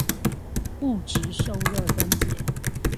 物質受熱分解